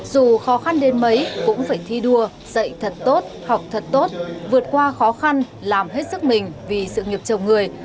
dù khó khăn đến mấy cũng phải thi đua dạy thật tốt học thật tốt vượt qua khó khăn làm hết sức mình vì sự nghiệp chồng người